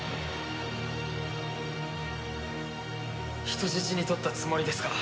人質に取ったつもりですか？